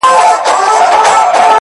زه به دي تل په ياد کي وساتمه ـ